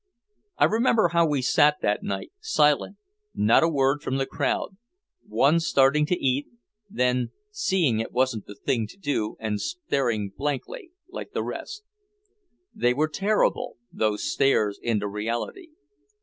I remember how we sat that night, silent, not a word from the crowd one starting to eat, then seeing it wasn't the thing to do, and staring blankly like the rest. They were terrible, those stares into reality.